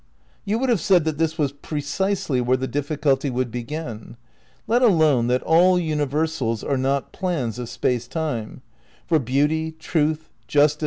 You would have said that this was precisely where the difficulty would begin. Let alone that all universals are not plans of Space Time — for beauty, truth, justice, ' space, Time and Deity, Vol.